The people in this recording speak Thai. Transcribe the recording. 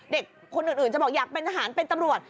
เด็กคนอื่นจะบอกอยากเป็นทหารเป็นตำรวจ